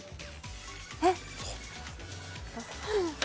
えっ？